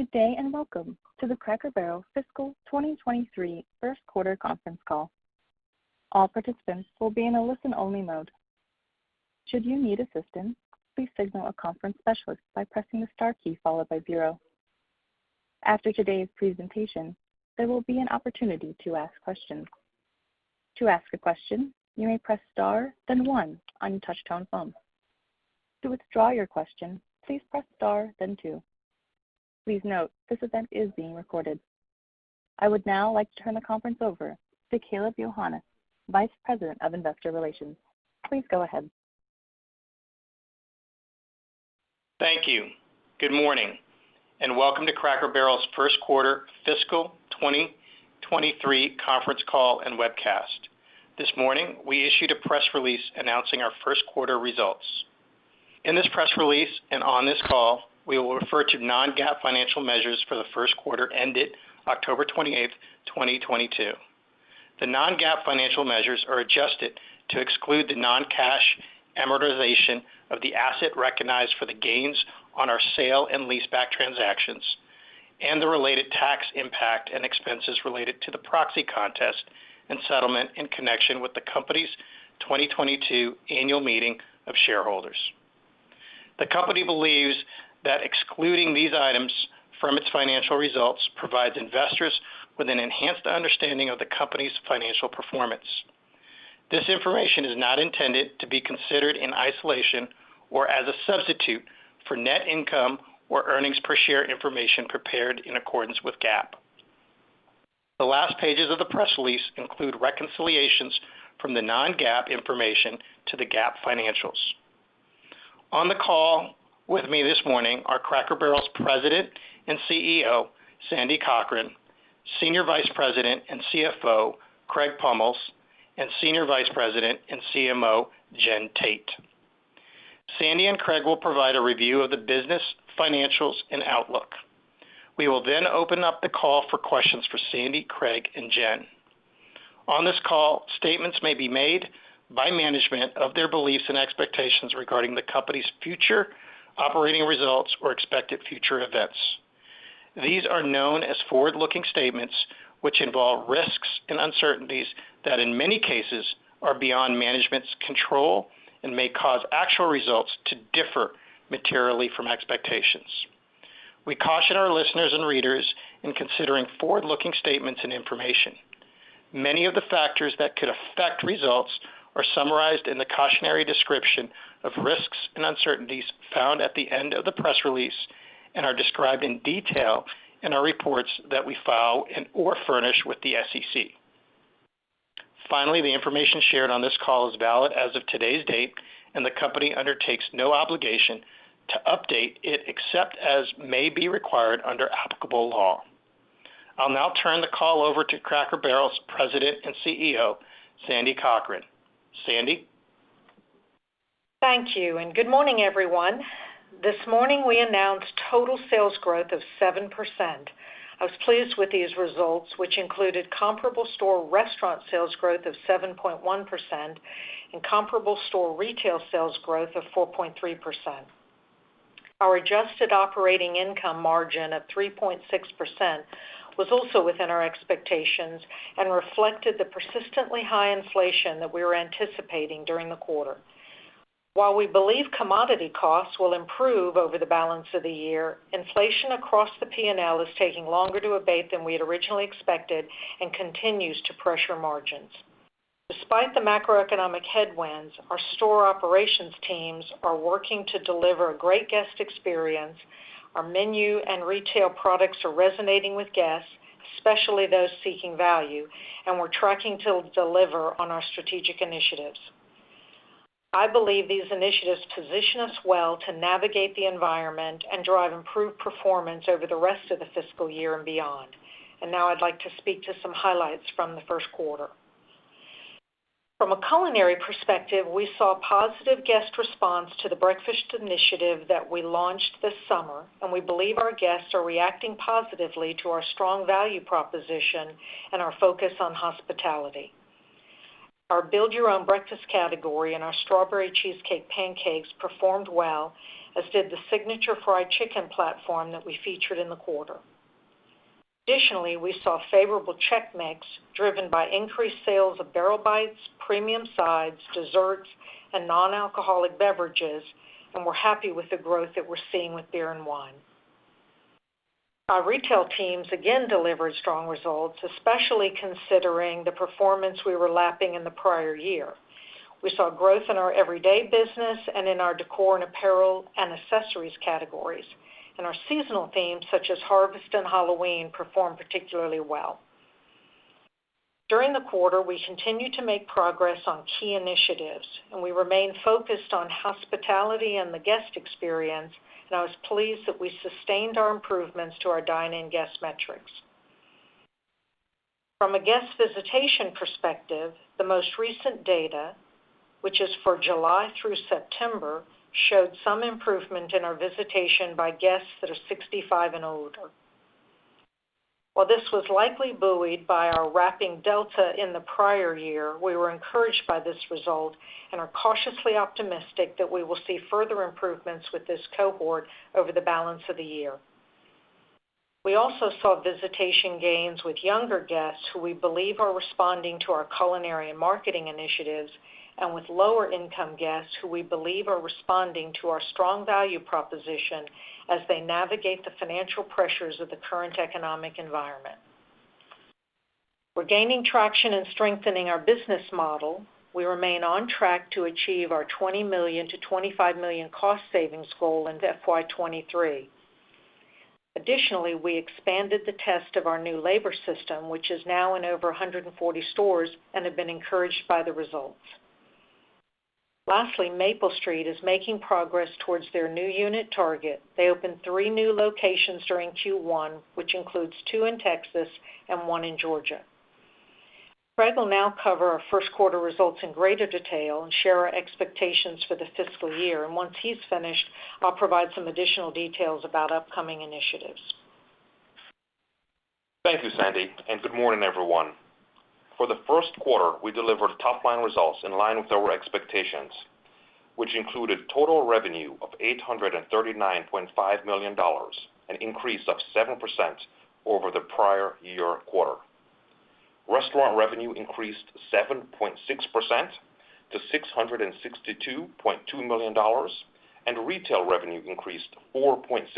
Good day, welcome to the Cracker Barrel fiscal 2023 first quarter conference call. All participants will be in a listen-only mode. Should you need assistance, please signal a conference specialist by pressing the star key followed by zero. After today's presentation, there will be an opportunity to ask questions. To ask a question, you may press star, then one on your touchtone phone. To withdraw your question, please press star then two. Please note, this event is being recorded. I would now like to turn the conference over to Kaleb Johannes, Vice President of Investor Relations. Please go ahead. Thank you. Good morning, and welcome to Cracker Barrel's first quarter fiscal 2023 conference call and webcast. This morning, we issued a press release announcing our first quarter results. In this press release and on this call, we will refer to non-GAAP financial measures for the first quarter ended October 28, 2022. The non-GAAP financial measures are adjusted to exclude the non-cash amortization of the asset recognized for the gains on our sale and leaseback transactions and the related tax impact and expenses related to the proxy contest and settlement in connection with the company's 2022 annual meeting of shareholders. The company believes that excluding these items from its financial results provides investors with an enhanced understanding of the company's financial performance. This information is not intended to be considered in isolation or as a substitute for net income or earnings per share information prepared in accordance with GAAP. The last pages of the press release include reconciliations from the non-GAAP information to the GAAP financials. On the call with me this morning are Cracker Barrel's President and CEO, Sandy Cochran, Senior Vice President and CFO, Craig Pommells, and Senior Vice President and CMO, Jen Tate. Sandy and Craig will provide a review of the business, financials, and outlook. We will then open up the call for questions for Sandy, Craig, and Jen. On this call, statements may be made by management of their beliefs and expectations regarding the company's future operating results or expected future events. These are known as forward-looking statements, which involve risks and uncertainties that in many cases are beyond management's control and may cause actual results to differ materially from expectations. We caution our listeners and readers in considering forward-looking statements and information. Many of the factors that could affect results are summarized in the cautionary description of risks and uncertainties found at the end of the press release and are described in detail in our reports that we file and or furnish with the SEC. The information shared on this call is valid as of today's date, and the company undertakes no obligation to update it except as may be required under applicable law. I'll now turn the call over to Cracker Barrel's President and CEO, Sandy Cochran. Sandy. Thank you, and good morning, everyone. This morning, we announced total sales growth of 7%. I was pleased with these results, which included comparable store restaurant sales growth of 7.1% and comparable store retail sales growth of 4.3%. Our adjusted operating income margin of 3.6% was also within our expectations and reflected the persistently high inflation that we were anticipating during the quarter. While we believe commodity costs will improve over the balance of the year, inflation across the P&L is taking longer to abate than we had originally expected and continues to pressure margins. Despite the macroeconomic headwinds, our store operations teams are working to deliver a great guest experience. Our menu and retail products are resonating with guests, especially those seeking value, and we're tracking to deliver on our strategic initiatives. I believe these initiatives position us well to navigate the environment and drive improved performance over the rest of the fiscal year and beyond. Now I'd like to speak to some highlights from the first quarter. From a culinary perspective, we saw positive guest response to the breakfast initiative that we launched this summer, and we believe our guests are reacting positively to our strong value proposition and our focus on hospitality. Our Build Your Own Breakfast category and our strawberry cheesecake pancakes performed well, as did the signature fried chicken platform that we featured in the quarter. Additionally, we saw favorable check mix driven by increased sales of Barrel Bites, premium sides, desserts, and non-alcoholic beverages, and we're happy with the growth that we're seeing with beer and wine. Our retail teams again delivered strong results, especially considering the performance we were lapping in the prior year. We saw growth in our everyday business and in our decor and apparel and accessories categories, and our seasonal themes such as harvest and Halloween performed particularly well. During the quarter, we continued to make progress on key initiatives, and we remain focused on hospitality and the guest experience, and I was pleased that we sustained our improvements to our dine-in guest metrics. From a guest visitation perspective, the most recent data, which is for July through September, showed some improvement in our visitation by guests that are 65 and older. While this was likely buoyed by our wrapping Delta in the prior year, we were encouraged by this result and are cautiously optimistic that we will see further improvements with this cohort over the balance of the year. We also saw visitation gains with younger guests who we believe are responding to our culinary and marketing initiatives, and with lower income guests who we believe are responding to our strong value proposition as they navigate the financial pressures of the current economic environment. We're gaining traction and strengthening our business model. We remain on track to achieve our $20 million-$25 million cost savings goal in FY 2023. Additionally, we expanded the test of our new labor system, which is now in over 140 stores and have been encouraged by the results. Lastly, Maple Street is making progress towards their new unit target. They opened three new locations during Q1, which includes two in Texas and one in Georgia. Craig will now cover our first quarter results in greater detail and share our expectations for the fiscal year. Once he's finished, I'll provide some additional details about upcoming initiatives. Thank you, Sandy, good morning, everyone. For the first quarter, we delivered top-line results in line with our expectations, which included total revenue of $839.5 million, an increase of 7% over the prior year quarter. Restaurant revenue increased 7.6% to $662.2 million, and retail revenue increased 4.6%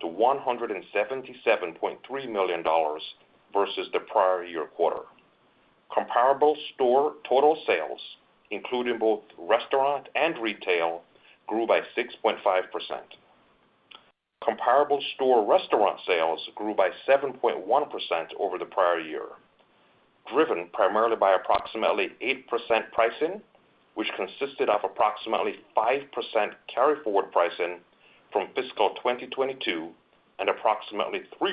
to $177.3 million versus the prior year quarter. Comparable store total sales, including both restaurant and retail, grew by 6.5%. Comparable store restaurant sales grew by 7.1% over the prior year, driven primarily by approximately 8% pricing, which consisted of approximately 5% carry forward pricing from fiscal 2022 and approximately 3%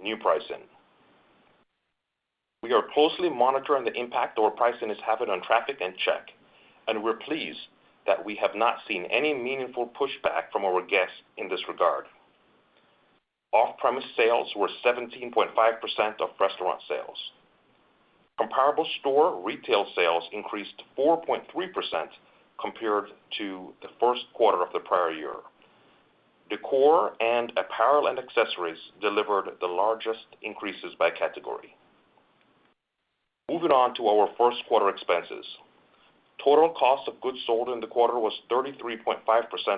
new pricing. We are closely monitoring the impact our pricing is having on traffic and check, and we're pleased that we have not seen any meaningful pushback from our guests in this regard. Off-premise sales were 17.5% of restaurant sales. Comparable store retail sales increased 4.3% compared to the first quarter of the prior year. Decor and apparel and accessories delivered the largest increases by category. Moving on to our first quarter expenses. Total cost of goods sold in the quarter was 33.5%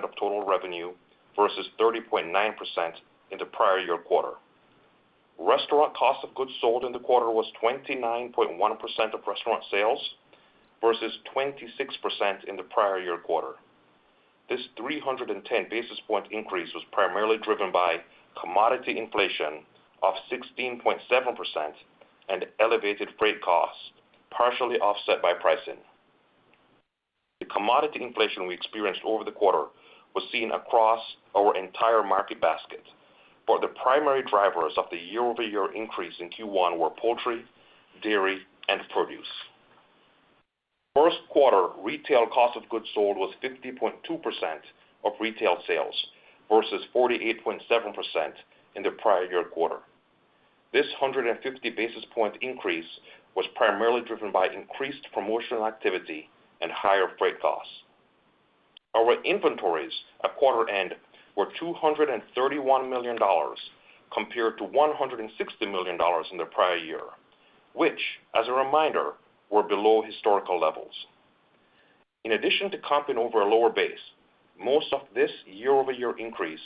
of total revenue versus 30.9% in the prior year quarter. Restaurant cost of goods sold in the quarter was 29.1% of restaurant sales versus 26% in the prior year quarter. This 310 basis point increase was primarily driven by commodity inflation of 16.7% and elevated freight costs, partially offset by pricing. The commodity inflation we experienced over the quarter was seen across our entire market basket, but the primary drivers of the year-over-year increase in Q1 were poultry, dairy, and produce. First quarter retail cost of goods sold was 50.2% of retail sales versus 48.7% in the prior year quarter. This 150 basis point increase was primarily driven by increased promotional activity and higher freight costs. Our inventories at quarter end were $231 million compared to $160 million in the prior year, which as a reminder, were below historical levels. In addition to comping over a lower base, most of this year-over-year increase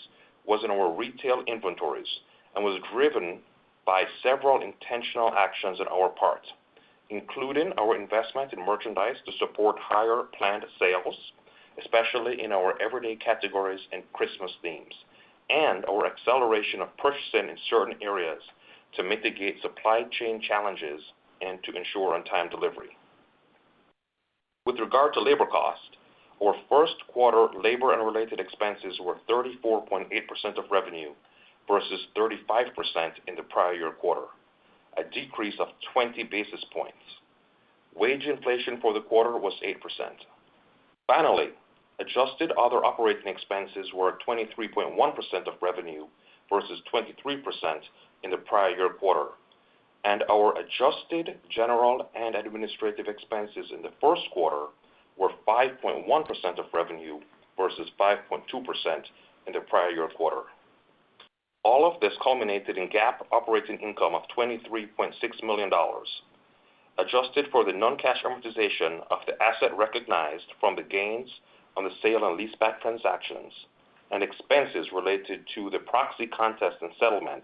was in our retail inventories and was driven by several intentional actions on our part, including our investment in merchandise to support higher planned sales, especially in our everyday categories and Christmas themes, and our acceleration of purchasing in certain areas to mitigate supply chain challenges and to ensure on-time delivery. With regard to labor cost, our first quarter labor and related expenses were 34.8% of revenue versus 35% in the prior year quarter, a decrease of 20 basis points. Wage inflation for the quarter was 8%. Adjusted other operating expenses were 23.1% of revenue versus 23% in the prior year quarter, and our adjusted general and administrative expenses in the first quarter were 5.1% of revenue versus 5.2% in the prior year quarter. All of this culminated in GAAP operating income of $23.6 million. Adjusted for the non-cash amortization of the asset recognized from the gains on the sale and leaseback transactions and expenses related to the proxy contest and settlement,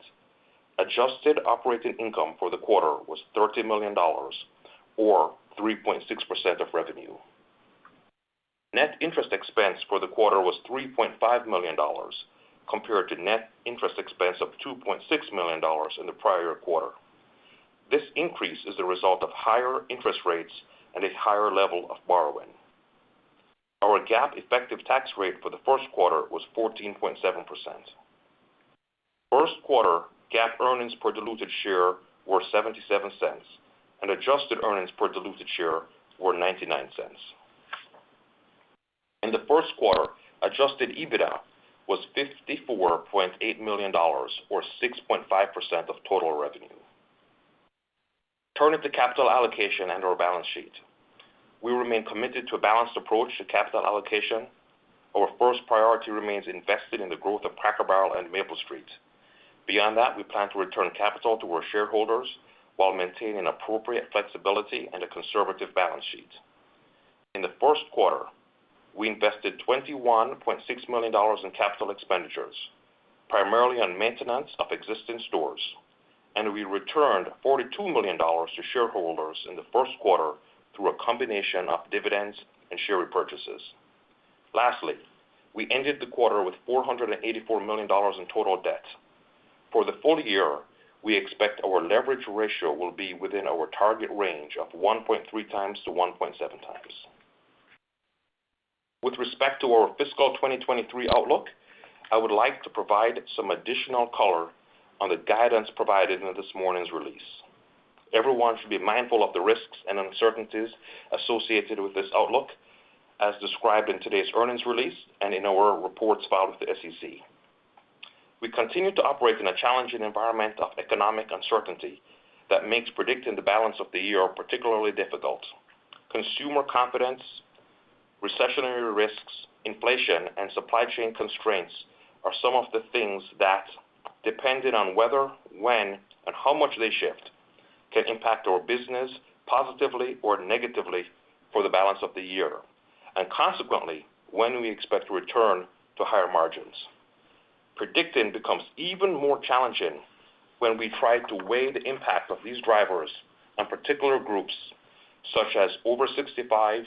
adjusted operating income for the quarter was $30 million or 3.6% of revenue. Net interest expense for the quarter was $3.5 million compared to net interest expense of $2.6 million in the prior quarter. This increase is the result of higher interest rates and a higher level of borrowing. Our GAAP effective tax rate for the first quarter was 14.7%. First quarter GAAP earnings per diluted share were $0.77 and adjusted earnings per diluted share were $0.99. In the first quarter, adjusted EBITDA was $54.8 million or 6.5% of total revenue. Turning to capital allocation and our balance sheet. We remain committed to a balanced approach to capital allocation. Our first priority remains invested in the growth of Cracker Barrel and Maple Street. Beyond that, we plan to return capital to our shareholders while maintaining an appropriate flexibility and a conservative balance sheet. In the first quarter, we invested $21.6 million in capital expenditures, primarily on maintenance of existing stores, and we returned $42 million to shareholders in the first quarter through a combination of dividends and share repurchases. Lastly, we ended the quarter with $484 million in total debt. For the full year, we expect our leverage ratio will be within our target range of 1.3x-1.7x. With respect to our fiscal 2023 outlook, I would like to provide some additional color on the guidance provided in this morning's release. Everyone should be mindful of the risks and uncertainties associated with this outlook, as described in today's earnings release and in our reports filed with the SEC. We continue to operate in a challenging environment of economic uncertainty that makes predicting the balance of the year particularly difficult. Consumer confidence, recessionary risks, inflation, and supply chain constraints are some of the things that, depending on whether, when, and how much they shift, can impact our business positively or negatively for the balance of the year, and consequently, when we expect to return to higher margins. Predicting becomes even more challenging when we try to weigh the impact of these drivers on particular groups such as over 65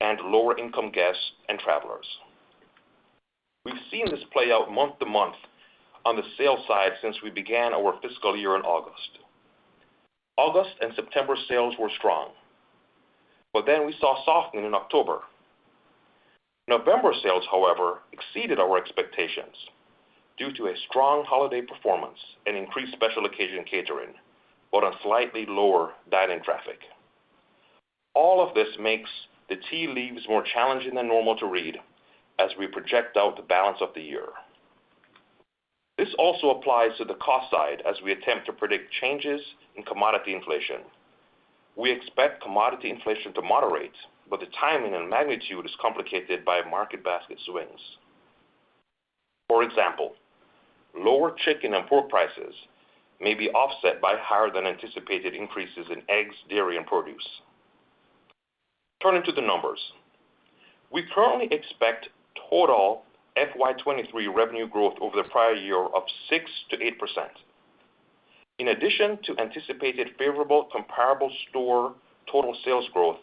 and lower-income guests and travelers. We've seen this play out month to month on the sales side since we began our fiscal year in August. August and September sales were strong, but then we saw softening in October. November sales, however, exceeded our expectations due to a strong holiday performance and increased special occasion catering, but a slightly lower dine-in traffic. All of this makes the tea leaves more challenging than normal to read as we project out the balance of the year. This also applies to the cost side as we attempt to predict changes in commodity inflation. We expect commodity inflation to moderate, but the timing and magnitude is complicated by market basket swings. For example, lower chicken and pork prices may be offset by higher-than-anticipated increases in eggs, dairy, and produce. Turning to the numbers. We currently expect total FY 2023 revenue growth over the prior year of 6%-8%. In addition to anticipated favorable comparable store total sales growth,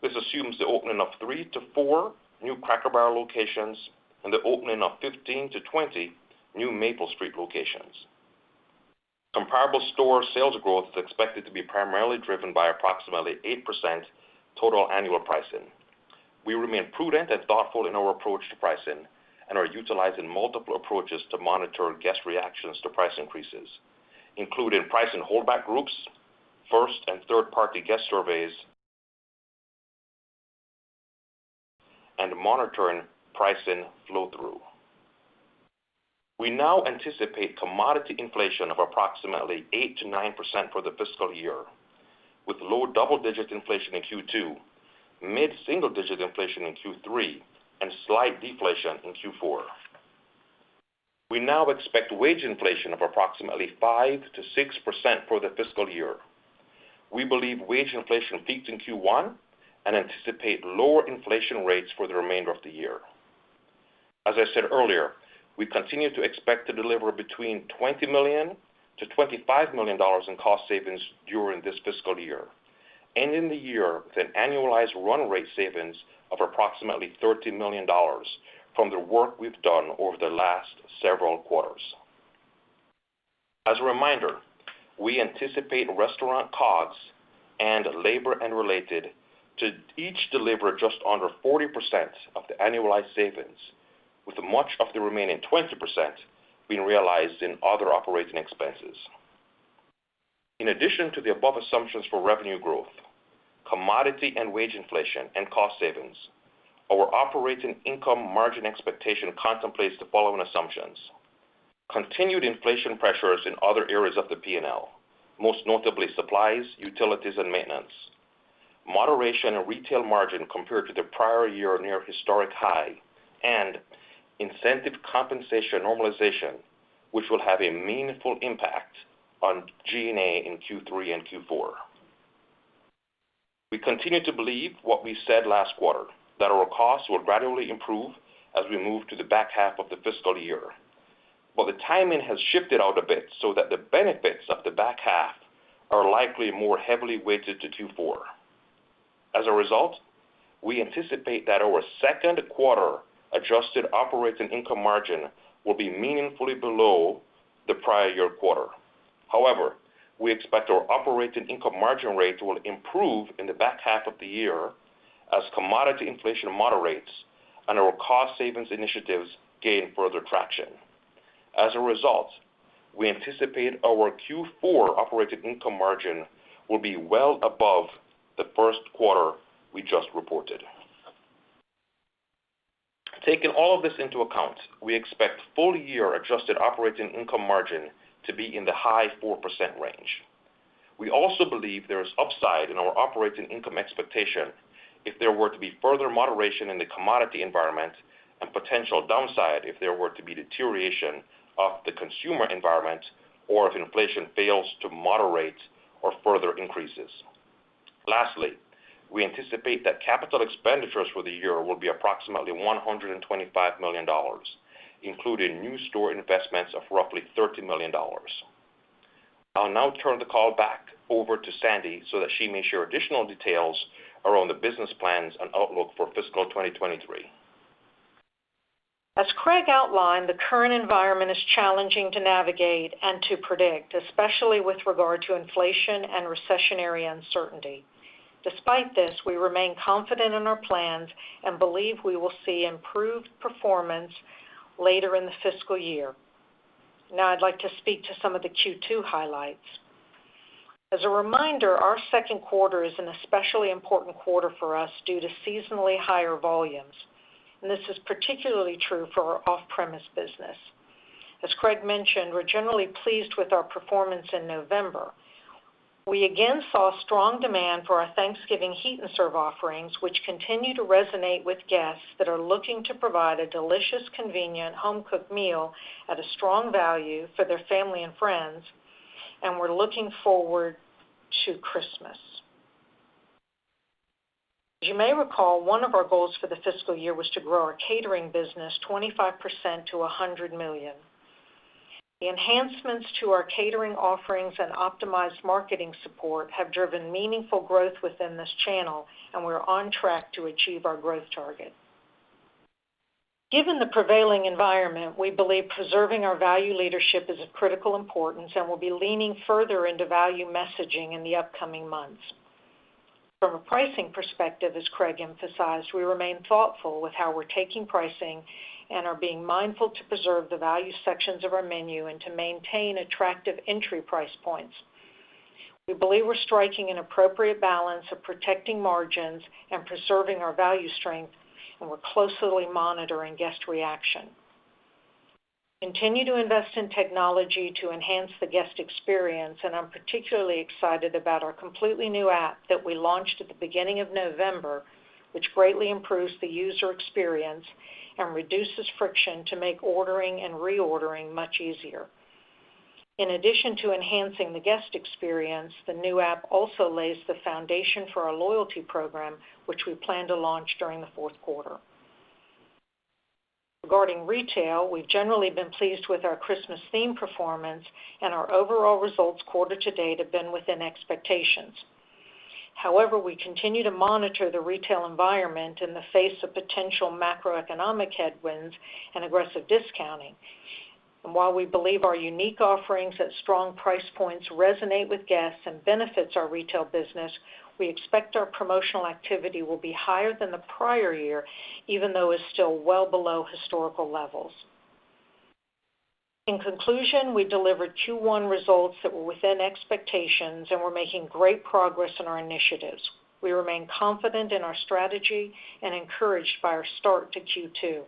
this assumes the opening of three to four new Cracker Barrel locations and the opening of 15-20 new Maple Street locations. Comparable store sales growth is expected to be primarily driven by approximately 8% total annual pricing. We remain prudent and thoughtful in our approach to pricing and are utilizing multiple approaches to monitor guest reactions to price increases, including pricing holdback groups, first and third-party guest surveys, and monitoring pricing flow-through. We now anticipate commodity inflation of approximately 8%-9% for the fiscal year, with low double-digit inflation in Q2, mid-single-digit inflation in Q3, and slight deflation in Q4. We now expect wage inflation of approximately 5%-6% for the fiscal year. We believe wage inflation peaked in Q1 and anticipate lower inflation rates for the remainder of the year. As I said earlier, we continue to expect to deliver between $20 million-$25 million in cost savings during this fiscal year, ending the year with an annualized run rate savings of approximately $13 million from the work we've done over the last several quarters. As a reminder, we anticipate restaurant COGS and labor and related to each deliver just under 40% of the annualized savings, with much of the remaining 20% being realized in other operating expenses. In addition to the above assumptions for revenue growth, commodity and wage inflation, and cost savings, our operating income margin expectation contemplates the following assumptions. Continued inflation pressures in other areas of the P&L, most notably supplies, utilities, and maintenance. Moderation of retail margin compared to the prior year near historic high, and incentive compensation normalization, which will have a meaningful impact on G&A in Q3 and Q4. We continue to believe what we said last quarter, that our costs will gradually improve as we move to the back half of the fiscal year. The timing has shifted out a bit so that the benefits of the back half are likely more heavily weighted to Q4. As a result, we anticipate that our second quarter adjusted operating income margin will be meaningfully below the prior year quarter. However, we expect our operating income margin rate will improve in the back half of the year as commodity inflation moderates and our cost savings initiatives gain further traction. As a result, we anticipate our Q4 operating income margin will be well above the first quarter we just reported. Taking all of this into account, we expect full year adjusted operating income margin to be in the high 4% range. We also believe there is upside in our operating income expectation if there were to be further moderation in the commodity environment and potential downside if there were to be deterioration of the consumer environment or if inflation fails to moderate or further increases. We anticipate that capital expenditures for the year will be approximately $125 million, including new store investments of roughly $30 million. I'll now turn the call back over to Sandy so that she may share additional details around the business plans and outlook for fiscal 2023. As Craig outlined, the current environment is challenging to navigate and to predict, especially with regard to inflation and recessionary uncertainty. Despite this, we remain confident in our plans and believe we will see improved performance later in the fiscal year. I'd like to speak to some of the Q2 highlights. As a reminder, our second quarter is an especially important quarter for us due to seasonally higher volumes, and this is particularly true for our off-premise business. As Craig mentioned, we're generally pleased with our performance in November. We again saw strong demand for our Thanksgiving heat and serve offerings, which continue to resonate with guests that are looking to provide a delicious, convenient home-cooked meal at a strong value for their family and friends, and we're looking forward to Christmas. As you may recall, one of our goals for the fiscal year was to grow our catering business 25% to $100 million. The enhancements to our catering offerings and optimized marketing support have driven meaningful growth within this channel, and we're on track to achieve our growth target. Given the prevailing environment, we believe preserving our value leadership is of critical importance, and we'll be leaning further into value messaging in the upcoming months. From a pricing perspective, as Craig emphasized, we remain thoughtful with how we're taking pricing and are being mindful to preserve the value sections of our menu and to maintain attractive entry price points. We believe we're striking an appropriate balance of protecting margins and preserving our value strength, and we're closely monitoring guest reaction. Continue to invest in technology to enhance the guest experience. I'm particularly excited about our completely new app that we launched at the beginning of November, which greatly improves the user experience and reduces friction to make ordering and reordering much easier. In addition to enhancing the guest experience, the new app also lays the foundation for our loyalty program, which we plan to launch during the fourth quarter. Regarding retail, we've generally been pleased with our Christmas theme performance and our overall results quarter to date have been within expectations. However, we continue to monitor the retail environment in the face of potential macroeconomic headwinds and aggressive discounting. While we believe our unique offerings at strong price points resonate with guests and benefits our retail business, we expect our promotional activity will be higher than the prior year, even though it's still well below historical levels. In conclusion, we delivered Q1 results that were within expectations, and we're making great progress in our initiatives. We remain confident in our strategy and encouraged by our start to Q2.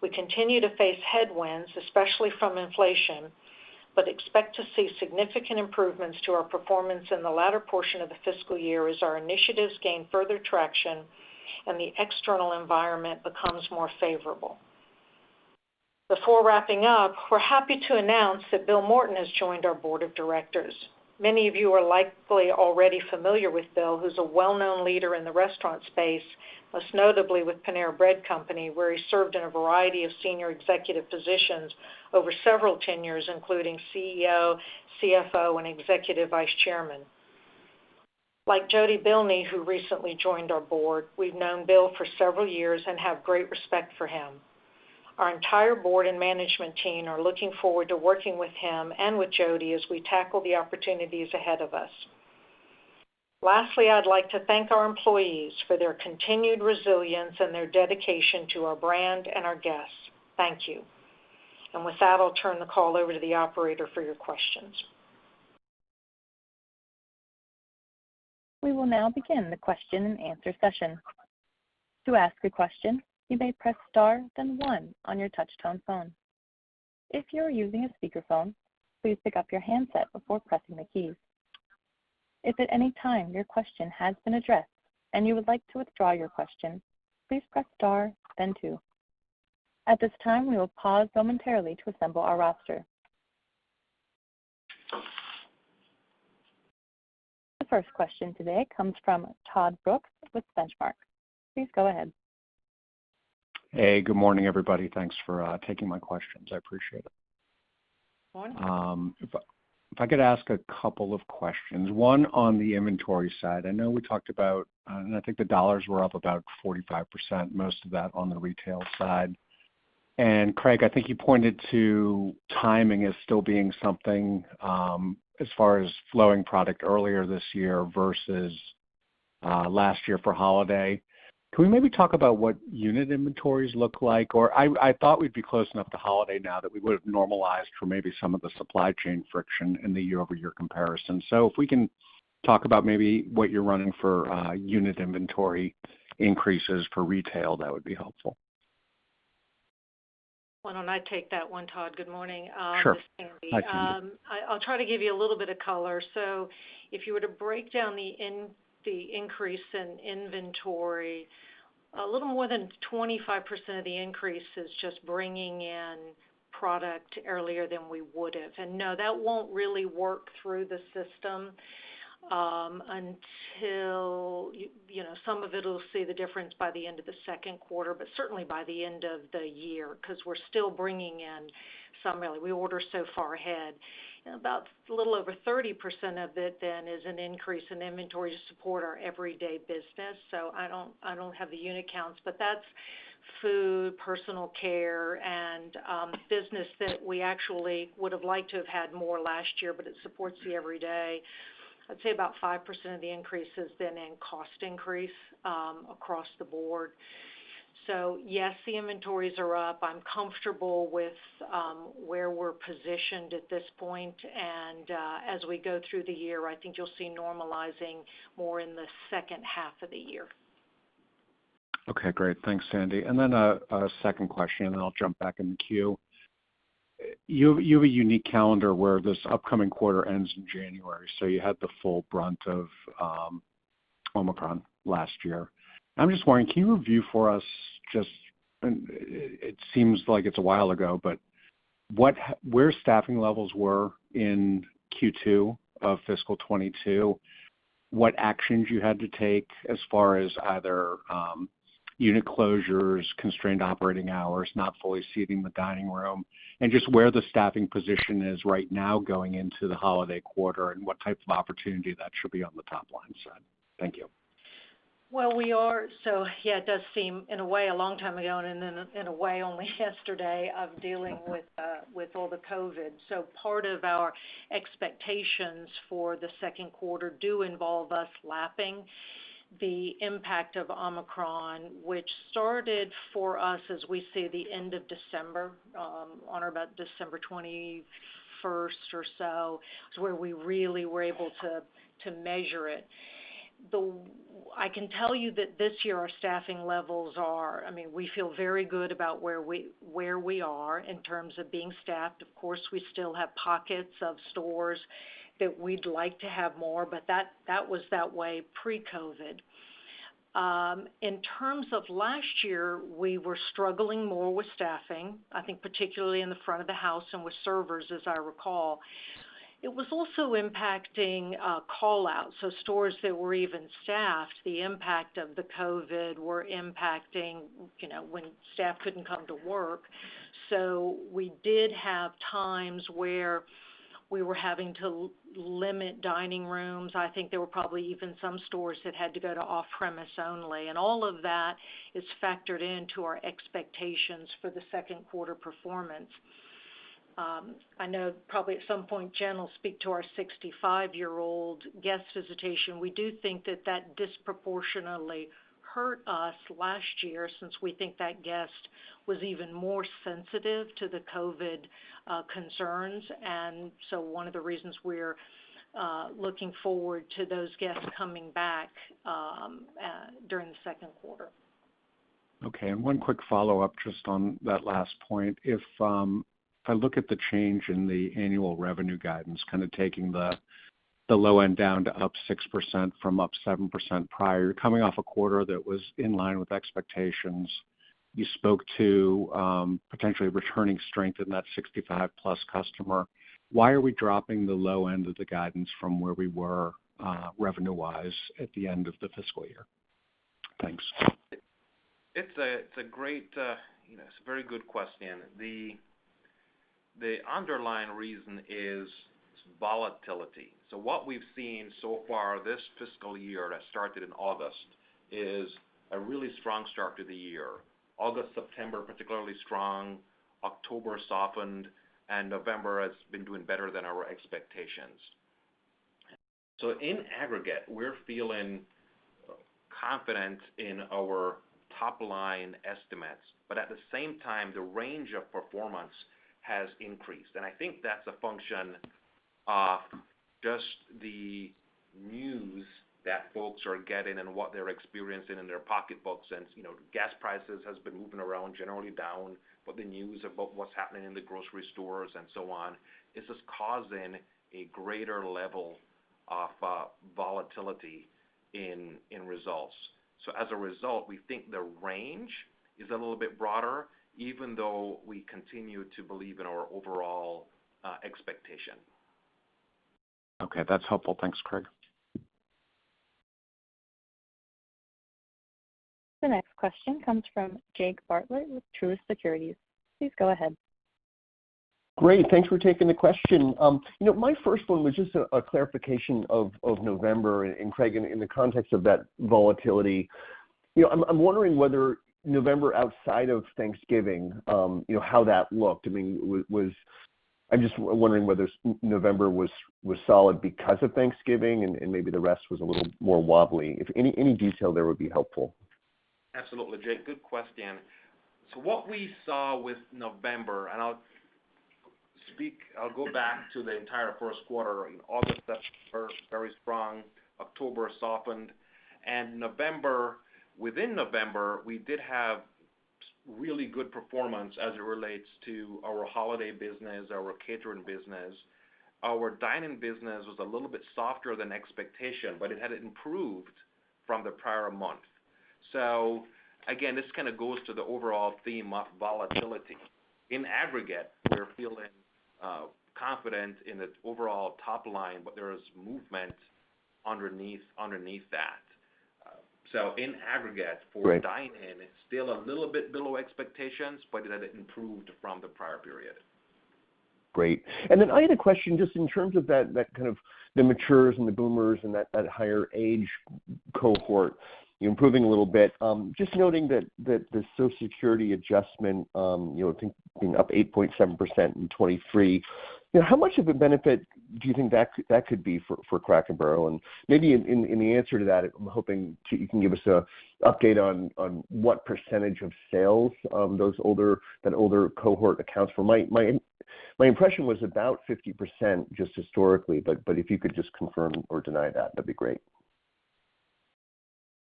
We continue to face headwinds, especially from inflation, but expect to see significant improvements to our performance in the latter portion of the fiscal year as our initiatives gain further traction and the external environment becomes more favorable. Before wrapping up, we're happy to announce that William Moreton has joined our board of directors. Many of you are likely already familiar with Bill, who's a well-known leader in the restaurant space, most notably with Panera Bread company, where he served in a variety of senior executive positions over several tenures, including CEO, CFO, and Executive Vice Chairman. Like Jody Bilney, who recently joined our board, we've known Bill for several years and have great respect for him. Our entire board and management team are looking forward to working with him and with Jody as we tackle the opportunities ahead of us. Lastly, I'd like to thank our employees for their continued resilience and their dedication to our brand and our guests. Thank you. With that, I'll turn the call over to the operator for your questions. We will now begin the question and answer session. To ask a question, you may press star then one on your touchtone phone. If you are using a speakerphone, please pick up your handset before pressing the key. If at any time your question has been addressed and you would like to withdraw your question, please press star then two. At this time, we will pause momentarily to assemble our roster. The first question today comes from Todd Brooks with Benchmark. Please go ahead. Good morning, everybody. Thanks for taking my questions. I appreciate it. Good morning. If I could ask a couple of questions. One on the inventory side. I know we talked about, I think the dollars were up about 45%, most of that on the retail side. Craig, I think you pointed to timing as still being something as far as flowing product earlier this year versus last year for holiday. Can we maybe talk about what unit inventories look like? I thought we'd be close enough to holiday now that we would've normalized for maybe some of the supply chain friction in the year-over-year comparison. If we can talk about maybe what you're running for unit inventory increases for retail, that would be helpful. Why don't I take that one, Todd? Good morning. Sure. This is Sandy. Hi, Sandy. I'll try to give you a little bit of color. If you were to break down the increase in inventory, a little more than 25% of the increase is just bringing in product earlier than we would've. No, that won't really work through the system, until, you know, some of it'll see the difference by the end of the second quarter, but certainly by the end of the year, 'cause we're still bringing in some early. We order so far ahead. About a little over 30% of it then is an increase in inventory to support our everyday business. I don't, I don't have the unit counts, but that's food, personal care and business that we actually would've liked to have had more last year, but it supports the every day. I'd say about 5% of the increase has been in cost increase, across the board. Yes, the inventories are up. I'm comfortable with, where we're positioned at this point. As we go through the year, I think you'll see normalizing more in the second half of the year. Okay, great. Thanks, Sandy. Then a second question, and then I'll jump back in the queue. You have a unique calendar where this upcoming quarter ends in January. You had the full brunt of Omicron last year. I'm just wondering, can you review for us just, and it seems like it's a while ago, but where staffing levels were in Q2 of fiscal 2022, what actions you had to take as far as either unit closures, constrained operating hours, not fully seating the dining room, and just where the staffing position is right now going into the holiday quarter and what type of opportunity that should be on the top line side? Thank you. It does seem in a way a long time ago and in a way only yesterday of dealing with all the COVID. Part of our expectations for the second quarter do involve us lapping the impact of Omicron, which started for us as we say the end of December, on or about December 21st or so, is where we really were able to measure it. I can tell you that this year, our staffing levels are, I mean, we feel very good about where we are in terms of being staffed. Of course, we still have pockets of stores that we'd like to have more, but that was that way pre-COVID. In terms of last year, we were struggling more with staffing, I think particularly in the front of the house and with servers, as I recall. It was also impacting call-outs. Stores that were even staffed, the impact of the COVID were impacting, you know, when staff couldn't come to work. We did have times where we were having to limit dining rooms. I think there were probably even some stores that had to go to off-premise only. All of that is factored into our expectations for the second quarter performance. I know probably at some point, Jen will speak to our sixty-five-year-old guest visitation. We do think that that disproportionately hurt us last year since we think that guest was even more sensitive to the COVID concerns. One of the reasons we're looking forward to those guests coming back during the second quarter. Okay. One quick follow-up just on that last point. If I look at the change in the annual revenue guidance, kinda taking the low end down to up 6% from up 7% prior, coming off a quarter that was in line with expectations, you spoke to potentially returning strength in that 65+ customer. Why are we dropping the low end of the guidance from where we were, revenue-wise at the end of the fiscal year? Thanks. It's a great, you know, it's a very good question. The underlying reason is volatility. What we've seen so far this fiscal year that started in August, is a really strong start to the year. August, September, particularly strong. October softened, and November has been doing better than our expectations. In aggregate, we're feeling confident in our top line estimates, but at the same time, the range of performance has increased. I think that's a function of just the news that folks are getting and what they're experiencing in their pocketbooks. You know, gas prices has been moving around, generally down. The news about what's happening in the grocery stores and so on is just causing a greater level of volatility in results. As a result, we think the range is a little bit broader, even though we continue to believe in our overall expectation. Okay, that's helpful. Thanks, Craig. The next question comes from Jake Bartlett with Truist Securities. Please go ahead. Great. Thanks for taking the question. You know, my first one was just a clarification of November. Craig, in the context of that volatility. You know, I'm wondering whether November outside of Thanksgiving, you know, how that looked. I mean, I'm just wondering whether November was solid because of Thanksgiving and maybe the rest was a little more wobbly. If any detail there would be helpful. Absolutely, Jake. Good question. What we saw with November, and I'll go back to the entire first quarter. In August, that was first very strong, October softened, and November, within November, we did have really good performance as it relates to our holiday business, our catering business. Our dine-in business was a little bit softer than expectation, but it had improved from the prior month. Again, this kind of goes to the overall theme of volatility. In aggregate, we're feeling confident in its overall top line, but there is movement underneath that. In aggregate- Great... for dine-in, it's still a little bit below expectations, but it had improved from the prior period. Great. I had a question just in terms of that kind of the matures and the boomers and that higher age cohort improving a little bit. Just noting that the Social Security adjustment, you know, I think being up 8.7% in 2023. You know, how much of a benefit do you think that could be for Cracker Barrel? Maybe in the answer to that, I'm hoping you can give us a update on what percentage of sales, that older cohort accounts for. My impression was about 50% just historically, but if you could just confirm or deny that'd be great.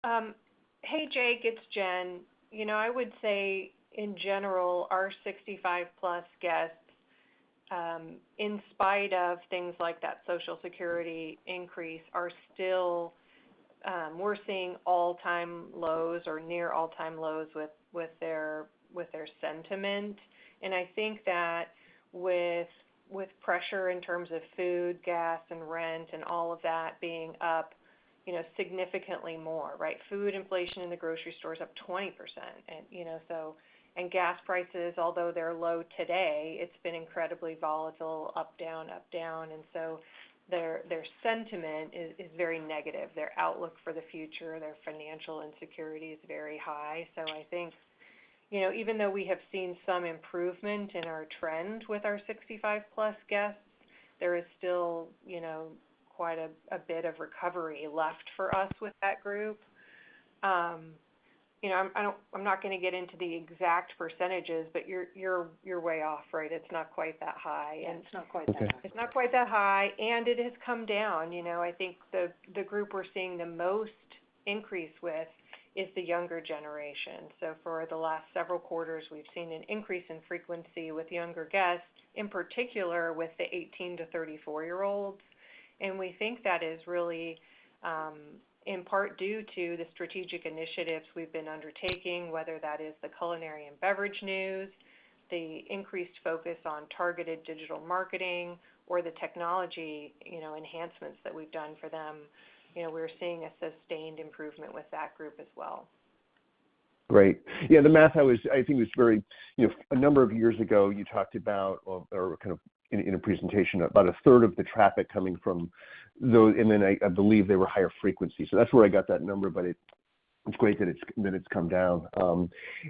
Hey, Jake, it's Jen. You know, I would say in general, our 65+ guests, in spite of things like that Social Security increase are still seeing all-time lows or near all-time lows with their sentiment. I think that with pressure in terms of food, gas and rent and all of that being up, you know, significantly more, right? Food inflation in the grocery store is up 20%. You know, gas prices, although they're low today, it's been incredibly volatile up, down, up, down. Their sentiment is very negative. Their outlook for the future, their financial insecurity is very high. I think, you know, even though we have seen some improvement in our trend with our 65+ guests, there is still, you know, quite a bit of recovery left for us with that group. you know, I'm not gonna get into the exact percentages, but you're way off, right? It's not quite that high. Okay. It's not quite that high, and it has come down. You know, I think the group we're seeing the most increase with is the younger generation. For the last several quarters, we've seen an increase in frequency with younger guests, in particular with the 18-34-year-olds. We think that is really in part due to the strategic initiatives we've been undertaking, whether that is the culinary and beverage news, the increased focus on targeted digital marketing or the technology, you know, enhancements that we've done for them. You know, we're seeing a sustained improvement with that group as well. Great. The math I think was very. You know, a number of years ago, you talked about or kind of in a presentation about a third of the traffic coming from. I believe they were higher frequency. That's where I got that number, but it's great that it's come down.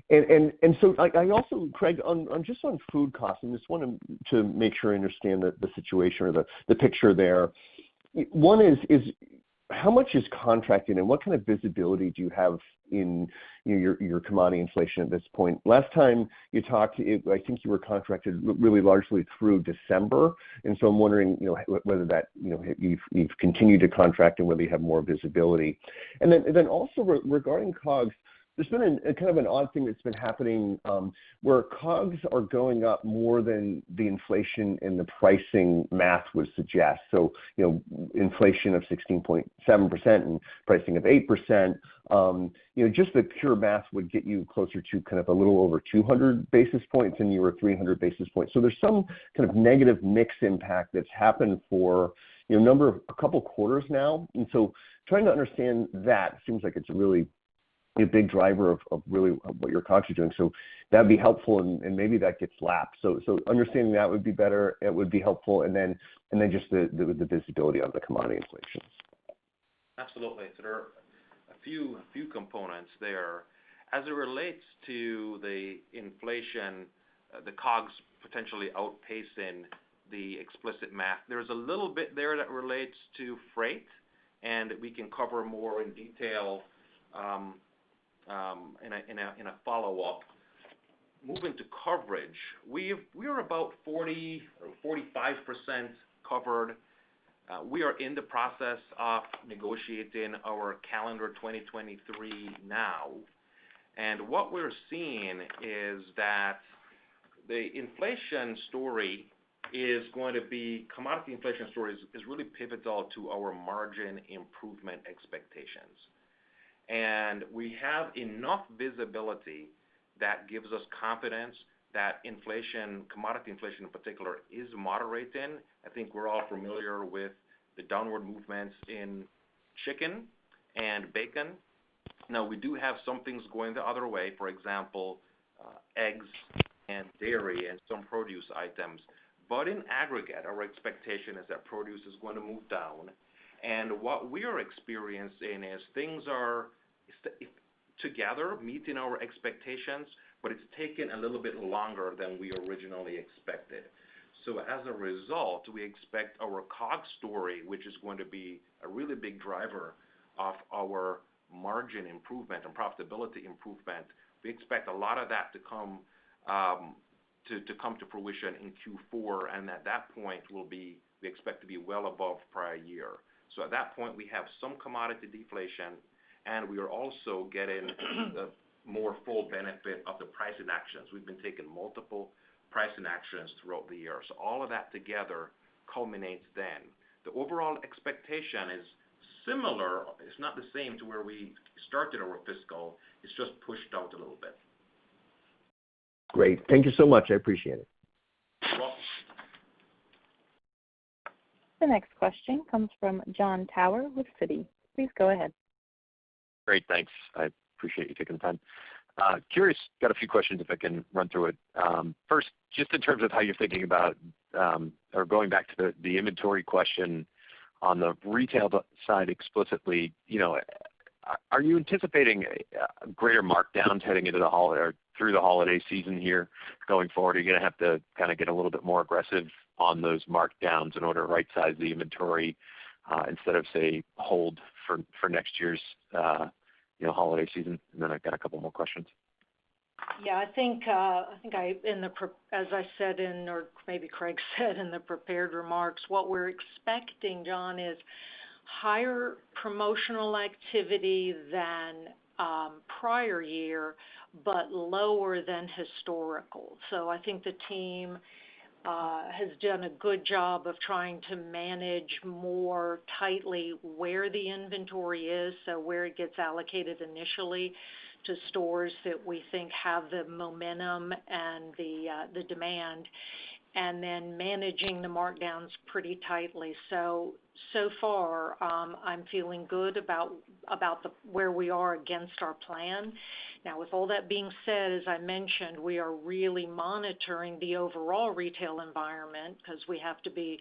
Like I also Craig, on just food costs, I just wanted to make sure I understand the situation or the picture there. One is how much is contracted and what kind of visibility do you have in, you know, your commodity inflation at this point? Last time you talked, I think you were contracted largely through December. I'm wondering, you know, whether that, you know, you've continued to contract and whether you have more visibility. Also regarding COGS, there's been a kind of an odd thing that's been happening where COGS are going up more than the inflation and the pricing math would suggest. You know, inflation of 16.7% and pricing of 8%, you know, just the pure math would get you closer to kind of a little over 200 basis points than you were 300 basis points. There's some kind of negative mix impact that's happened for, you know, a number of a couple quarters now. Trying to understand that seems like it's really a big driver of really, of what you're consciously doing. That'd be helpful and maybe that gets lapped. Understanding that would be better, it would be helpful. Just the visibility on the commodity inflation. Absolutely. There are a few components there. As it relates to the inflation, the COGS potentially outpacing the explicit math, there is a little bit there that relates to freight, and we can cover more in detail in a follow-up. Moving to coverage, we are about 40% or 45% covered. We are in the process of negotiating our calendar 2023 now. What we're seeing is that the Commodity inflation story is really pivotal to our margin improvement expectations. We have enough visibility that gives us confidence that inflation, commodity inflation in particular, is moderating. I think we're all familiar with the downward movements in chicken and bacon. We do have some things going the other way. For example, eggs and dairy and some produce items. In aggregate, our expectation is that produce is going to move down. What we are experiencing is things are together meeting our expectations, but it's taken a little bit longer than we originally expected. As a result, we expect our COGS story, which is going to be a really big driver of our margin improvement and profitability improvement, we expect a lot of that to come to fruition in Q4, and at that point we expect to be well above prior year. At that point, we have some commodity deflation, and we are also getting the more full benefit of the pricing actions. We've been taking multiple pricing actions throughout the year. All of that together culminates then. The overall expectation is similar. It's not the same to where we started our fiscal. It's just pushed out a little bit. Great. Thank you so much. I appreciate it. You're welcome. The next question comes from Jon Tower with Citi. Please go ahead. Great. Thanks. I appreciate you taking the time. Curious, got a few questions, if I can run through it. First, just in terms of how you're thinking about, or going back to the inventory question on the retail side explicitly, you know, are you anticipating a greater markdowns heading into the holiday or through the holiday season here going forward? Are you gonna have to kinda get a little bit more aggressive on those markdowns in order to right-size the inventory, instead of, say, hold for next year's, you know, holiday season? I've got a couple more questions. I think, as I said in or maybe Craig said in the prepared remarks, what we're expecting, Jon, is higher promotional activity than prior year, but lower than historical. I think the team has done a good job of trying to manage more tightly where the inventory is, so where it gets allocated initially to stores that we think have the momentum and the demand, and then managing the markdowns pretty tightly. So far, I'm feeling good about where we are against our plan. Now with all that being said, as I mentioned, we are really monitoring the overall retail environment because we have to be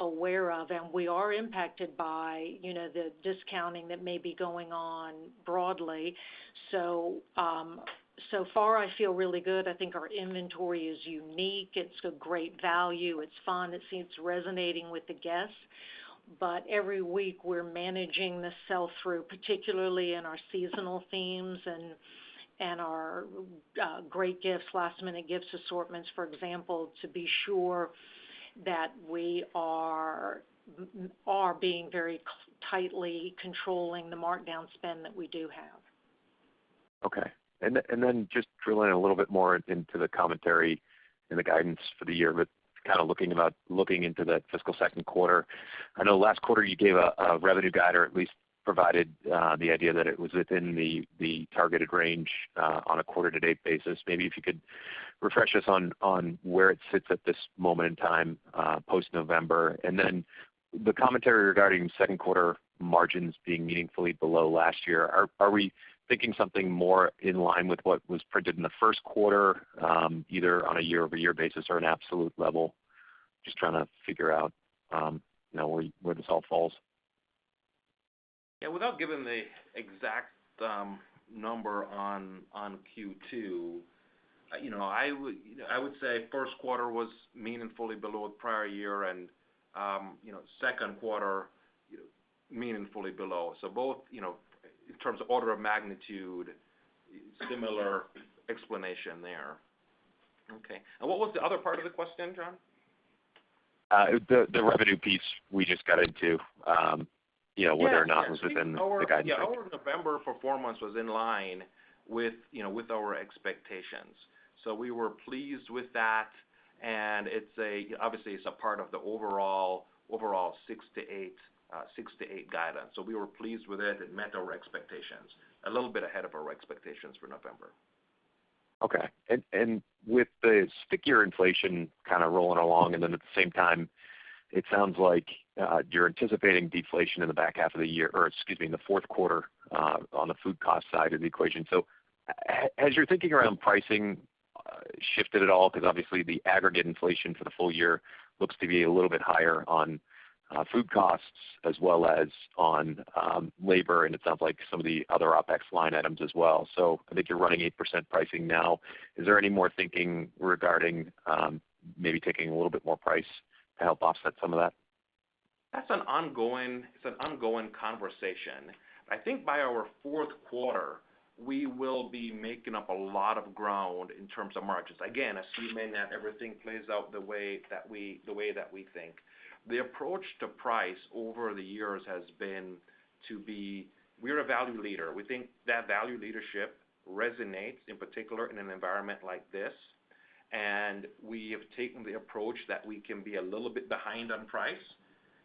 aware of, and we are impacted by, you know, the discounting that may be going on broadly. So far I feel really good. I think our inventory is unique. It's a great value. It's fun. It seems resonating with the guests. Every week, we're managing the sell-through, particularly in our seasonal themes and our great gifts, last-minute gifts assortments, for example, to be sure that we are being very tightly controlling the markdown spend that we do have. Okay. Just drilling a little bit more into the commentary and the guidance for the year, but kind of looking into the fiscal second quarter. I know last quarter you gave a revenue guide or at least provided the idea that it was within the targeted range on a quarter-to-date basis. Maybe if you could refresh us on where it sits at this moment in time post-November. The commentary regarding second quarter margins being meaningfully below last year, are we thinking something more in line with what was printed in the first quarter, either on a year-over-year basis or an absolute level? Just trying to figure out, you know, where this all falls. Yeah, without giving the exact number on Q2, you know, I would say first quarter was meaningfully below prior year and, you know, second quarter, meaningfully below. Both, you know, in terms of order of magnitude, similar explanation there. Okay. What was the other part of the question, Jon? The revenue piece we just got into, you know, whether or not it was within the guidance. Our November performance was in line with, you know, with our expectations. We were pleased with that, obviously, it's a part of the overall 6%-8% guidance. We were pleased with it. It met our expectations, a little bit ahead of our expectations for November. Okay. With the stickier inflation kinda rolling along, at the same time, it sounds like you're anticipating deflation in the back half of the year or excuse me, in the fourth quarter, on the food cost side of the equation. As you're thinking around pricing, shifted at all because obviously the aggregate inflation for the full year looks to be a little bit higher on food costs as well as on labor, and it sounds like some of the other OpEx line items as well. I think you're running 8% pricing now. Is there any more thinking regarding maybe taking a little bit more price to help offset some of that? That's an ongoing conversation. I think by our fourth quarter, we will be making up a lot of ground in terms of margins. Again, assuming that everything plays out the way that we think. The approach to price over the years has been we're a value leader. We think that value leadership resonates, in particular, in an environment like this. We have taken the approach that we can be a little bit behind on price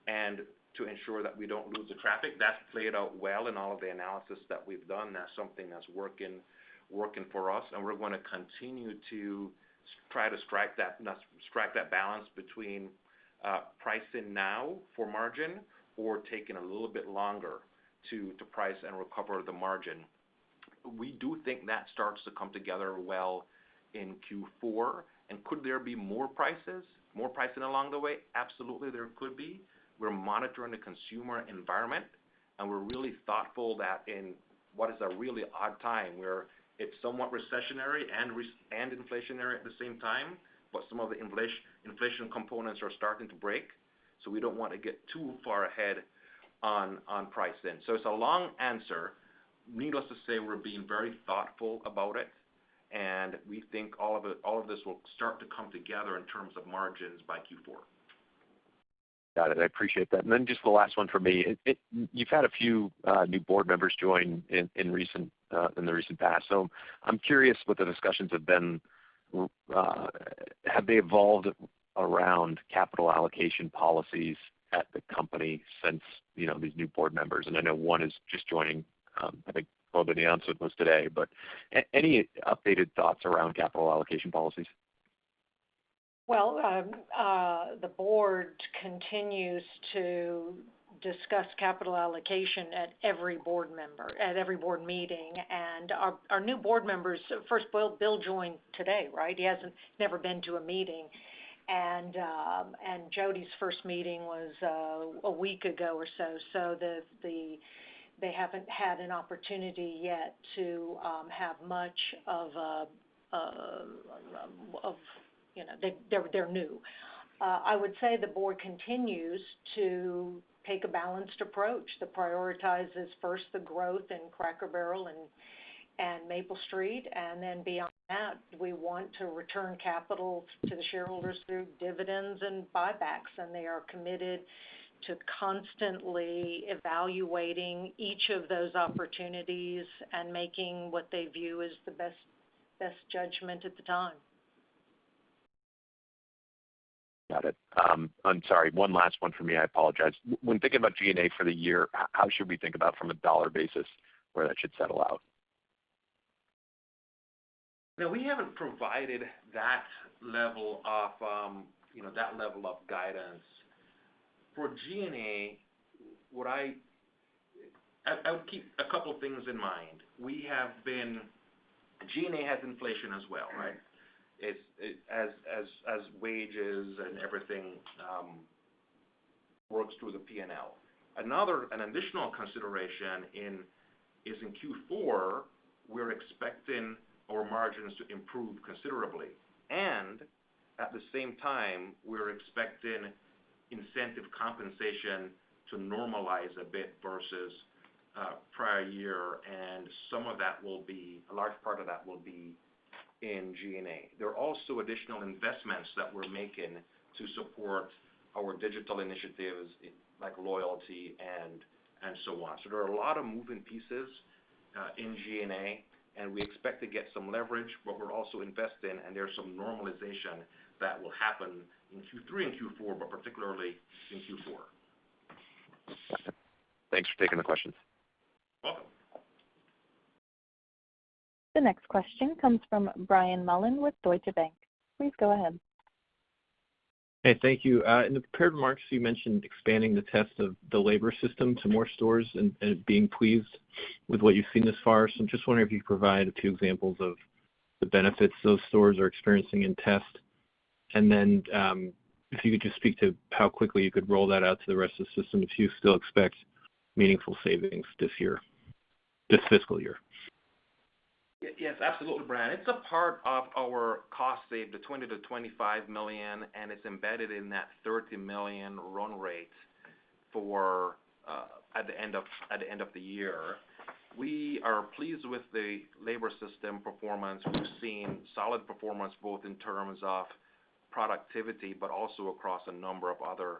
and to ensure that we don't lose the traffic. That's played out well in all of the analysis that we've done. That's something that's working for us, and we're gonna continue to try to strike that balance between pricing now for margin or taking a little bit longer to price and recover the margin. We do think that starts to come together well in Q4. Could there be more prices, more pricing along the way? Absolutely, there could be. We're monitoring the consumer environment, and we're really thoughtful that in what is a really odd time where it's somewhat recessionary and inflationary at the same time, but some of the inflation components are starting to break. We don't want to get too far ahead on pricing. It's a long answer. Needless to say, we're being very thoughtful about it, and we think all of this will start to come together in terms of margins by Q4. Got it. I appreciate that. Just the last one for me. You've had a few new board members join in recent, in the recent past. I'm curious what the discussions have been. Have they evolved around capital allocation policies at the company since, you know, these new board members? I know one is just joining, I think, [Bill Moreton] with us today. Any updated thoughts around capital allocation policies? The board continues to discuss capital allocation at every board meeting. Our new board members, first, Bill joined today, right? He never been to a meeting. Jody's first meeting was a week ago or so. They haven't had an opportunity yet to have much of a, of, you know. They're new. I would say the board continues to take a balanced approach that prioritizes first the growth in Cracker Barrel and Maple Street. Beyond that, we want to return capital to the shareholders through dividends and buybacks. They are committed to constantly evaluating each of those opportunities and making what they view as the best judgment at the time. Got it. I'm sorry, one last one for me. I apologize. When thinking about G&A for the year, how should we think about from a dollar basis where that should settle out? No, we haven't provided that level of, you know, that level of guidance. For G&A, I would keep a couple things in mind. G&A has inflation as well, right? As wages and everything works through the P&L. An additional consideration is in Q4, we're expecting our margins to improve considerably. At the same time, we're expecting incentive compensation to normalize a bit versus prior year, a large part of that will be in G&A. There are also additional investments that we're making to support our digital initiatives like loyalty and so on. There are a lot of moving pieces in G&A, and we expect to get some leverage, but we're also investing, and there's some normalization that will happen in Q3 and Q4, but particularly in Q4. Thanks for taking the questions. Welcome. The next question comes from Brian Mullan with Deutsche Bank. Please go ahead. Hey, thank you. In the prepared remarks, you mentioned expanding the test of the labor system to more stores and being pleased with what you've seen thus far. I'm just wondering if you could provide a few examples of the benefits those stores are experiencing in test. If you could just speak to how quickly you could roll that out to the rest of the system, if you still expect meaningful savings this year, this fiscal year? Yes, absolutely, Brian. It's a part of our cost save, the $20 million-$25 million, and it's embedded in that $30 million run rate for at the end of the year. We are pleased with the labor system performance. We've seen solid performance, both in terms of productivity, but also across a number of other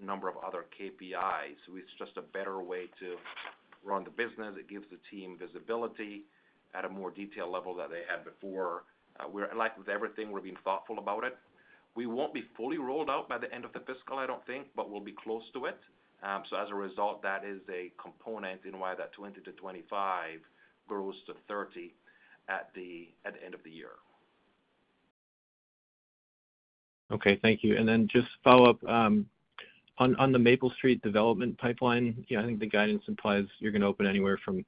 KPIs. It's just a better way to run the business. It gives the team visibility at a more detailed level than they had before. Like with everything, we're being thoughtful about it. We won't be fully rolled out by the end of the fiscal, I don't think, but we'll be close to it. As a result, that is a component in why that $20-$25 grows to $30 at the end of the year. Okay. Thank you. Just follow up on the Maple Street development pipeline, you know, I think the guidance implies you're gonna open anywhere from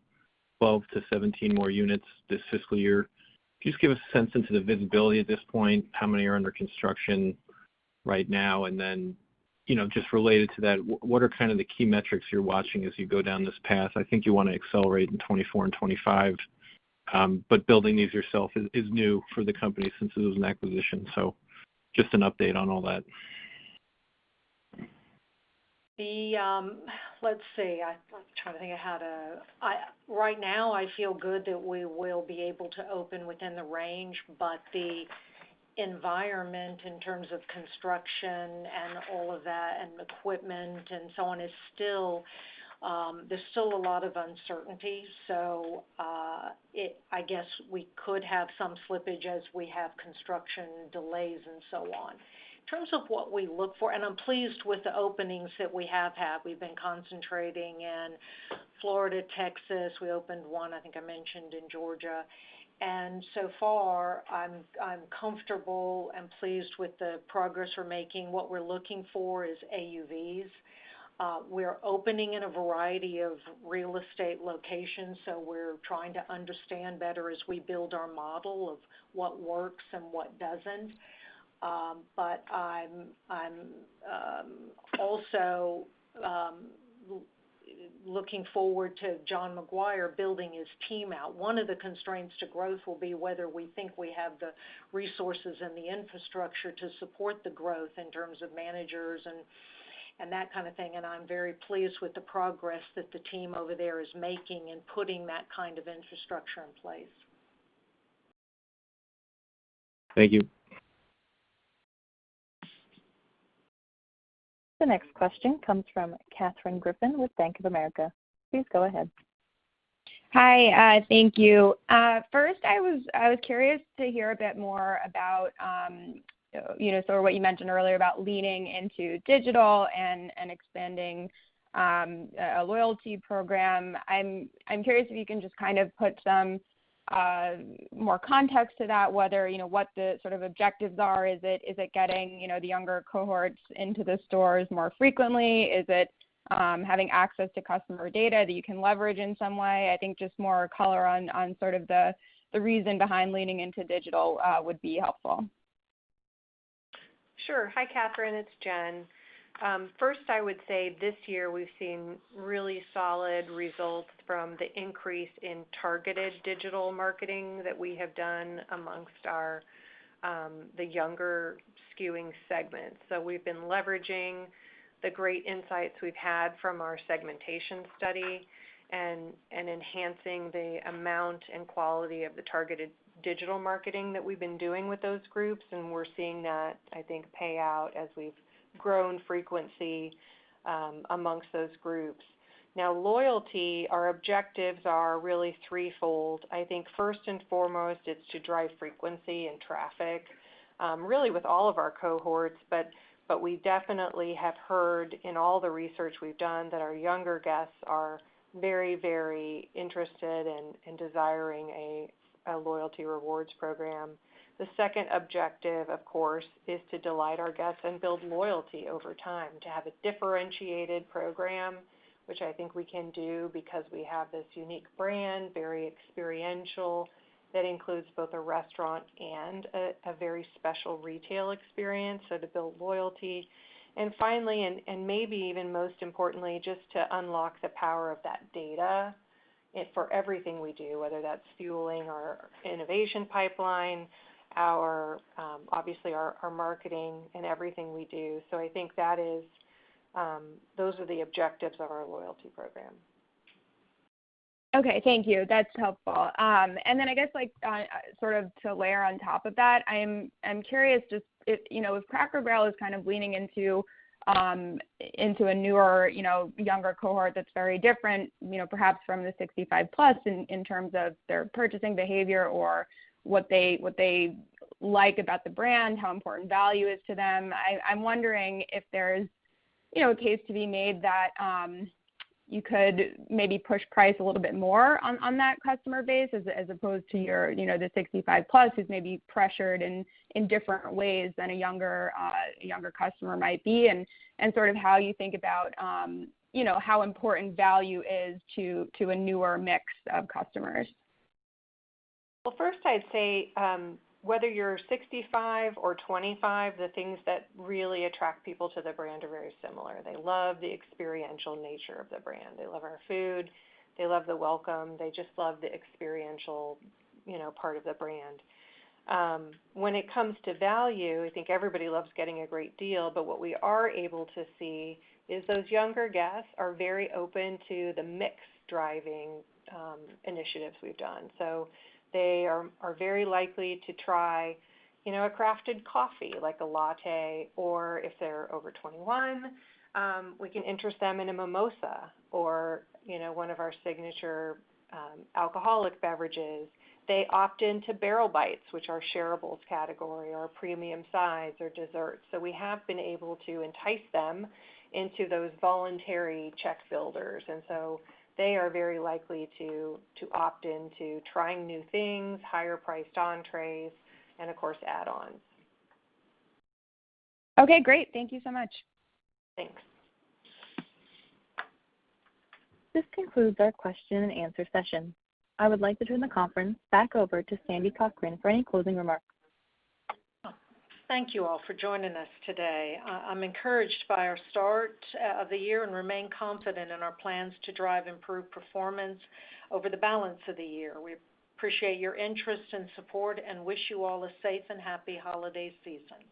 12-17 more units this fiscal year. Can you just give us a sense into the visibility at this point, how many are under construction right now? You know, just related to that, what are kind of the key metrics you're watching as you go down this path? I think you wanna accelerate in 2024 and 2025, but building these yourself is new for the company since it was an acquisition. Just an update on all that. Right now, I feel good that we will be able to open within the range. Environment in terms of construction and all of that and equipment and so on is still, there's still a lot of uncertainty. I guess we could have some slippage as we have construction delays and so on. In terms of what we look for, I'm pleased with the openings that we have had. We've been concentrating in Florida, Texas, we opened one, I think I mentioned in Georgia. So far, I'm comfortable and pleased with the progress we're making. What we're looking for is AUVs. We're opening in a variety of real estate locations, we're trying to understand better as we build our model of what works and what doesn't. I'm also looking forward to John Maguire building his team out. One of the constraints to growth will be whether we think we have the resources and the infrastructure to support the growth in terms of managers and that kind of thing. I'm very pleased with the progress that the team over there is making in putting that kind of infrastructure in place. Thank you. The next question comes from Katherine Griffin with Bank of America. Please go ahead. Hi, thank you. First, I was curious to hear a bit more about, you know, sort of what you mentioned earlier about leaning into digital and expanding a loyalty program. I'm curious if you can just kind of put some more context to that, whether, you know, what the sort of objectives are. Is it getting, you know, the younger cohorts into the stores more frequently? Is it having access to customer data that you can leverage in some way? I think just more color on sort of the reason behind leaning into digital would be helpful. Sure. Hi, Katherine. It's Jen. First, I would say this year we've seen really solid results from the increase in targeted digital marketing that we have done amongst our, the younger skewing segments. We've been leveraging the great insights we've had from our segmentation study and enhancing the amount and quality of the targeted digital marketing that we've been doing with those groups, and we're seeing that, I think, pay out as we've grown frequency, amongst those groups. Loyalty, our objectives are really threefold. I think first and foremost, it's to drive frequency and traffic, really with all of our cohorts. We definitely have heard in all the research we've done that our younger guests are very, very interested in desiring a loyalty rewards program. The second objective, of course, is to delight our guests and build loyalty over time, to have a differentiated program, which I think we can do because we have this unique brand, very experiential that includes both a restaurant and a very special retail experience, so to build loyalty. Finally, and maybe even most importantly, just to unlock the power of that data for everything we do, whether that's fueling our innovation pipeline, our, obviously, our marketing and everything we do. I think that is, those are the objectives of our loyalty program. Okay, thank you. That's helpful. Then I guess like, sort of to layer on top of that, I'm curious just if, you know, if Cracker Barrel is kind of leaning into a newer, you know, younger cohort that's very different, you know, perhaps from the 65+ in terms of their purchasing behavior or what they like about the brand, how important value is to them. I'm wondering if there's, you know, a case to be made that you could maybe push price a little bit more on that customer base as opposed to your, you know, the 65+ who's maybe pressured in different ways than a younger customer might be and sort of how you think about, you know, how important value is to a newer mix of customers? Well, first, I'd say, whether you're 65 or 25, the things that really attract people to the brand are very similar. They love the experiential nature of the brand. They love our food, they love the welcome. They just love the experiential, you know, part of the brand. When it comes to value, I think everybody loves getting a great deal. What we are able to see is those younger guests are very open to the mix driving initiatives we've done. They are very likely to try, you know, a crafted coffee like a latte or if they're over 21, we can interest them in a mimosa or, you know, one of our signature alcoholic beverages. They opt into Barrel Bites, which are shareables category or premium size or desserts. We have been able to entice them into those voluntary check builders. They are very likely to opt in to trying new things, higher priced entrees and of course, add-ons. Okay, great. Thank you so much. Thanks. This concludes our question and answer session. I would like to turn the conference back over to Sandy Cochran for any closing remarks. Thank you all for joining us today. I'm encouraged by our start of the year and remain confident in our plans to drive improved performance over the balance of the year. We appreciate your interest and support, and wish you all a safe and happy holiday season.